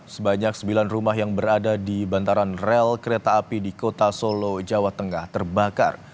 sebanyak sembilan rumah yang berada di bantaran rel kereta api di kota solo jawa tengah terbakar